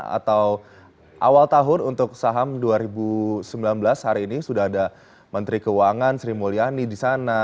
atau awal tahun untuk saham dua ribu sembilan belas hari ini sudah ada menteri keuangan sri mulyani di sana